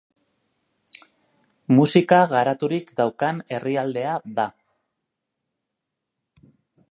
Musika garaturik daukan herrialdea da.